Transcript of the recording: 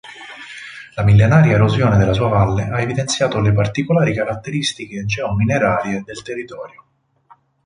La millenaria erosione della sua valle ha evidenziato le particolari caratteristiche geo-minerarie del territorio.